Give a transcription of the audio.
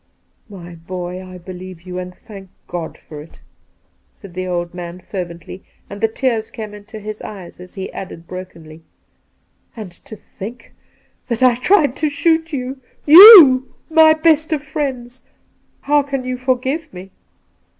' My boy, I believe you, and thank God for it,' said the old man fervently, and the tears came into his eyes as he added brokenly :' And to think that I tried to shoot you. You, my best of friends — how can you forgive me